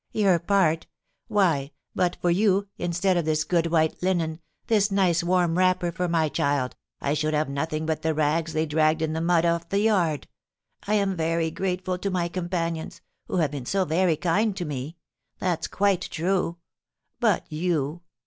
"Your part! Why, but for you, instead of this good white linen, this nice warm wrapper for my child, I should have nothing but the rags they dragged in the mud of the yard. I am very grateful to my companions who have been so very kind to me; that's quite true! But you!